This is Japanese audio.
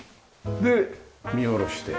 で見下ろして。